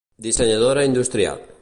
Dissenyadora industrial.